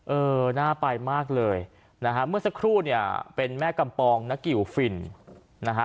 เออน่าไปมากเลยนะฮะเมื่อสักครู่เนี่ยเป็นแม่กำปองนักกิวฟินนะฮะ